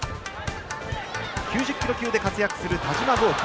９０キロ級で活躍する田嶋剛希。